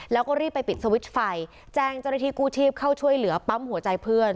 แล้วก็รีบไปปิดสวิตช์ไฟแจ้งเจ้าหน้าที่กู้ชีพเข้าช่วยเหลือปั๊มหัวใจเพื่อน